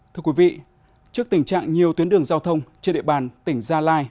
thưa quý vị trước tình trạng nhiều tuyến đường giao thông trên địa bàn tỉnh gia lai